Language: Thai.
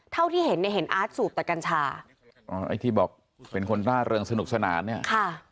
เท่าที่เห็นเนี่ยเห็นอาร์ตสูบแต่กัญชาอ๋อไอ้ที่บอกเป็นคนร่าเริงสนุกสนานเนี่ยค่ะ